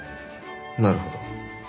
なるほど。